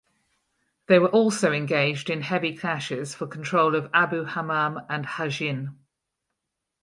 They were also engaged in heavy clashes for control of Abu Hamam and Hajin.